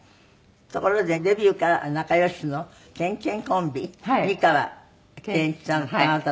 ところでデビューから仲良しのけんけんコンビ美川憲一さんとあなたと。